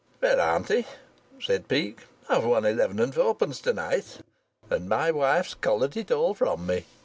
"Well, auntie," said Peake, "I've won eleven and fourpence to night, and my wife's collared it all from me."